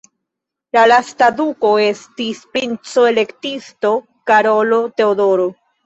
La lasta duko estis princo-elektisto Karolo Teodoro.